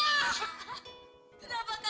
umi aku mau ke rumah